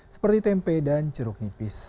seperti tempe dan jeruk nipis